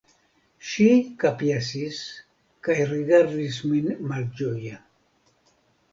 Ŝi kapjesis kaj rigardis min malĝoje.